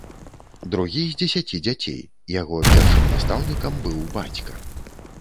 Другі з дзесяці дзяцей, яго першым настаўнікам быў бацька.